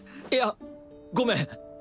いやごめん。